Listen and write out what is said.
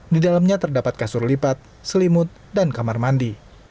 di dalamnya terdapat kasur lipat selimut dan kamar mandi